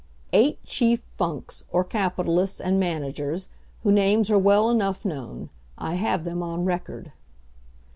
Eight chief Funks, or capitalists, and managers, whose names are well enough known. I have them on record.